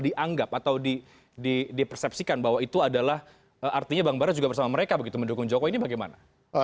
dianggap atau dipersepsikan bahwa itu adalah artinya bang bara juga bersama mereka begitu mendukung jokowi ini bagaimana